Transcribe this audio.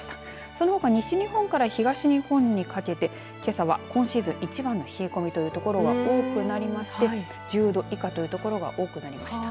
そのほか西日本から東日本にかけて、けさは今シーズン一番の冷え込みという所が多くなりまして、１０度以下という所が多くなりました。